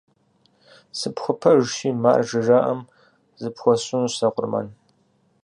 Сыпхуэпэжщи, «маржэ» жаӀэм, зыпхуэсщӀынущ сэ къурмэн.